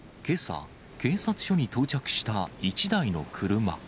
けさ、警察署に到着した１台の車。